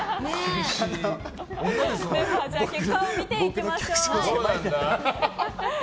では結果を見ていきましょう。